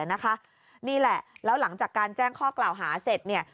นี่แหละแล้วหลังจากการแจ้งข้อกล่าวหาเสร็จเนี่ย